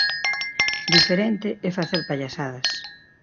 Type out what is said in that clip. Diferente é facer pallasadas.